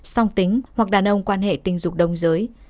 song tính hoặc đàn ông quan hệ tình dục đông giới